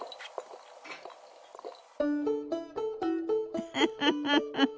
ウフフフフ。